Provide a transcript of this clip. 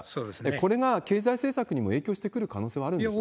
これが経済政策にも影響してくる可能性はあるんですか？